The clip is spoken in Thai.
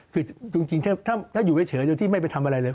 คือจริงถ้าอยู่เฉยโดยที่ไม่ไปทำอะไรเลย